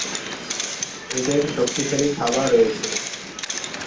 এদের শক্তিশালী থাবা রয়েছে।